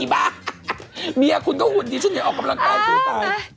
เมียคุณก็หุ่นดีฉันอย่าออกกำลังกายฟูตาย